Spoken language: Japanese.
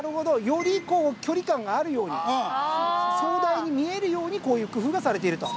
より距離感があるように壮大に見えるようにこういう工夫がされていると。